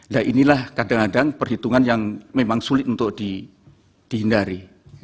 nah inilah kadang kadang perhitungan yang memang sulit untuk dihindari